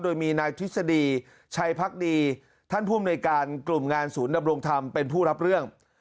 โดยมีนายทฤษฎีชัยพักดีท่านภูมิในการกลุ่มงานศูนย์ดำรงธรรมเป็นผู้รับเรื่อง